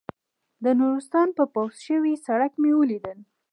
د نورستان په پوخ شوي سړک مې ولیدل.